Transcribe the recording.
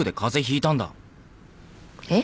えっ？